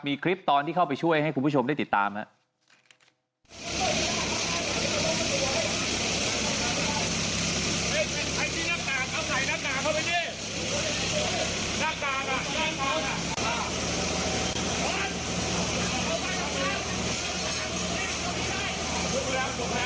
มีคลิปตอนที่เข้าไปช่วยให้คุณผู้ชมได้ติดตามครับ